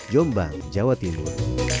jombang jawa timur